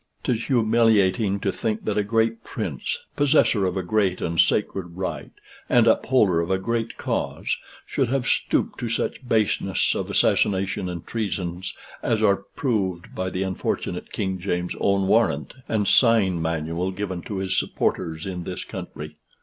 'Tis humiliating to think that a great Prince, possessor of a great and sacred right, and upholder of a great cause, should have stooped to such baseness of assassination and treasons as are proved by the unfortunate King James's own warrant and sign manual given to his supporters in this country.